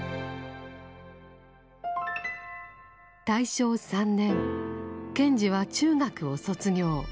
大正３年賢治は中学を卒業。